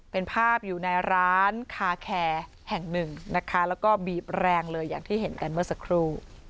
เป็นภาพอยู่ในร้านคาแคร์แห่งหนึ่งนะคะแล้วก็บีบแรงเลยอย่างที่เห็นกันเมื่อสักครู่